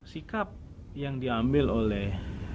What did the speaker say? sikap yang diambil oleh